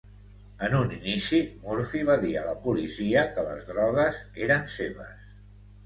En un inici, Murphy va dir a la policia que les drogues eren seves.